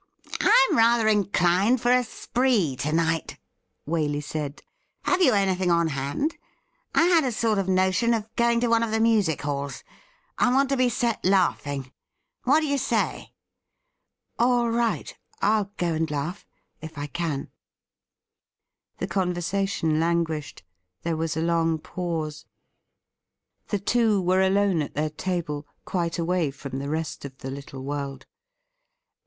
' I'm rather inclined for a spree to night,' Waley said. ' Have you anything on hand ? I had a sort of notion of o oing to one of the music halls. I want to be set laughing. AV hat do you say .?'' All right. I'll go and laugh — if I can.' The conversation languished. There was a long pause. WHAT WALEY DID WITH HIMSELF 849 The two were alone at their table, quite away from the rest of the little world.